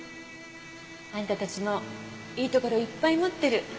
あんたたちもいいところいっぱい持ってる。